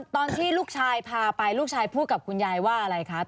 ตอนที่ลูกชายพาไปลูกชายพูดกับคุณยายว่าอะไรคะ